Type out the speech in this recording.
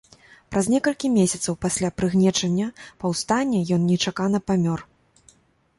Праз некалькі месяцаў пасля прыгнечання паўстання ён нечакана памёр.